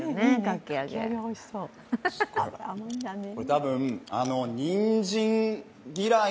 多分、にんじん嫌い